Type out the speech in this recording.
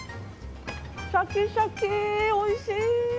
シャキシャキ、おいしい。